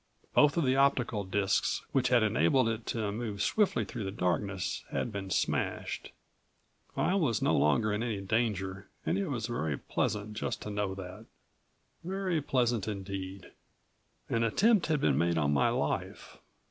Both of the optical disks which had enabled it to move swiftly through the darkness had been smashed. I was no longer in any danger and it was very pleasant just to know that. Very pleasant indeed. An attempt had been made on my life.